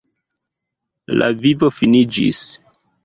La vivo finiĝis.